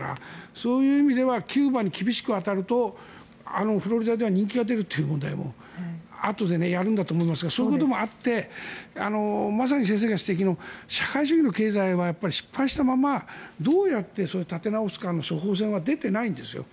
そういう意味ではキューバに厳しく当たるとフロリダでは人気が出るという問題もあとでやると思いますがそういうこともあってまさに先生が指摘の社会主義の経済は失敗したままどうやって立て直すかの処方せんは出ていないんですよ。